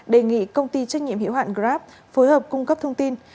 đề nghị công ty trách nhiệm hiệu hạn grab phối hợp cung cấp thông tin